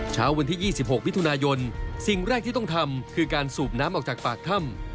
เช้าวันที่๒๖มิถุนายนสิ่งแรกที่ต้องทำคือการสูบน้ำออกจากปากถ้ำ